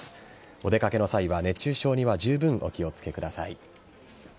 お出掛けの際は熱中症にじゅうぶんお気をつけください。